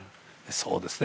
そうですね。